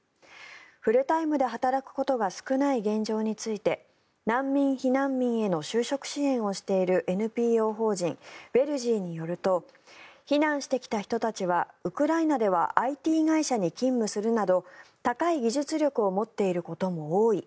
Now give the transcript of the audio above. フルタイムで働くことが少ない現状について難民・避難民への就職支援をしているＮＰＯ法人ＷＥＬｇｅｅによると避難してきた人たちはウクライナではＩＴ会社に勤務するなど高い技術力を持っていることも多い